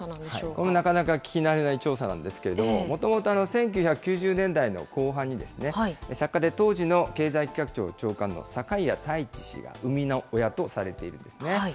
これもなかなか聞き慣れない調査なんですけれども、もともと１９９０年代の後半にですね、作家で当時の経済企画庁長官の堺屋太一氏が生みの親とされているんですね。